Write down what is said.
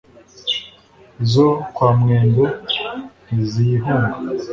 izo kwa mwendo ntiziyihunga